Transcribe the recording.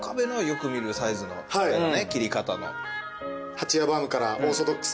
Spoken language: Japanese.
はちやバウムからオーソドックスな。